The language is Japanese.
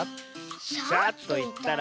「しゃ」といったら？